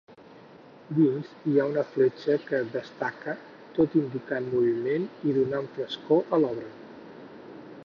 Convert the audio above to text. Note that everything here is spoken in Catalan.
Dins hi ha una fletxa que destaca, tot indicant moviment i donant frescor a l'obra.